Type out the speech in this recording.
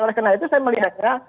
oleh karena itu saya melihat ya